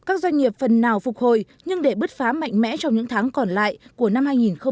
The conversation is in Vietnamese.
các doanh nghiệp phần nào phục hồi nhưng để bứt phá mạnh mẽ trong những tháng còn lại của năm hai nghìn hai mươi